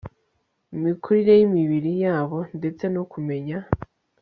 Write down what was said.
imikurire y imibiri yabo ndetse no kumenya